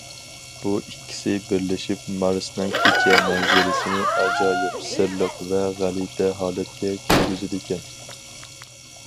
بۇ ئىككىسى بىرلىشىپ مارسنىڭ كېچە مەنزىرىسىنى ئاجايىپ سىرلىق ۋە غەلىتە ھالەتكە كىرگۈزىدىكەن.